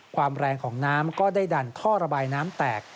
ความแรงของน้ำก็ได้ดันท่อระบายน้ำแตก